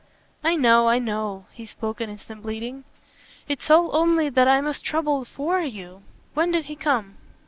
"I know I know!" He spoke in instant pleading. "It's all only that I'm as troubled FOR you. When did he come?"